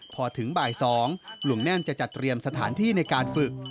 พอถึงบ่าย๒หลวงแน่นจะจัดเตรียมสถานที่ในการฝึก